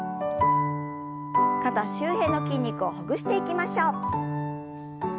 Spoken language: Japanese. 肩周辺の筋肉をほぐしていきましょう。